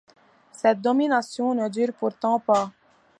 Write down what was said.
Cette domination ne dure pourtant pas.